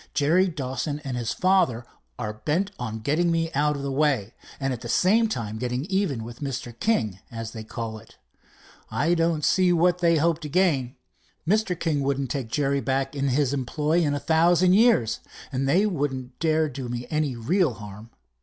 "Jerry Dawson and his father are bent on getting me out of the way, and at the same time getting even with Mr. King, as they call it. I don't see what they hope to gain. Mr. King wouldn't take Jerry back in his employ in a thousand years, and they wouldn't dare to do me any real harm.